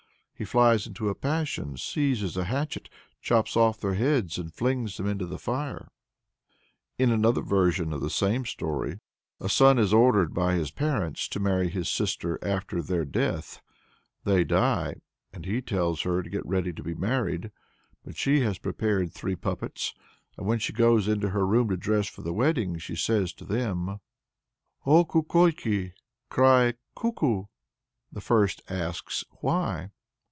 He flies into a passion, seizes a hatchet, chops off their heads, and flings them into the fire. In another version of the same story a son is ordered by his parents to marry his sister after their death. They die, and he tells her to get ready to be married. But she has prepared three puppets, and when she goes into her room to dress for the wedding, she says to them: "O Kukolki, (cry) Kuku!" The first asks, "Why?"